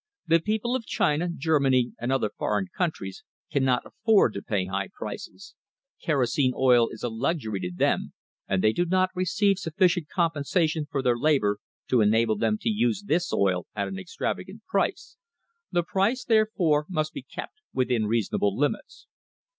The people of China, Germany, and other foreign countries cannot afford to pay high prices. Kerosene oil is a luxury to them, and they do not receive sufficient compensation for their labour to enable them to use this oil at an extravagant price. The price, therefore, must be kept within reasonable limits."